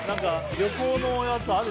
旅行のやつある？